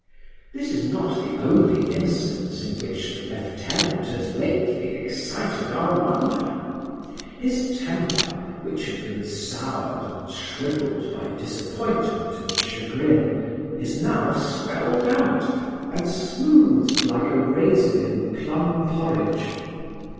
This is not the only instance in which the lieutenant has lately excited our wonder. His temper, which had been soured and shrivelled by disappointment and chagrin, is now swelled out, and smoothed like a raisin in plumb porridge.